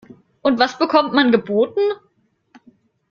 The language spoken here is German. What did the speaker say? Und was bekommt man geboten?